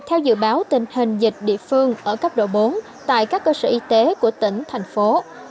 theo dự báo tình hình dịch địa phương ở cấp độ bốn tại các cơ sở y tế của tỉnh thành phố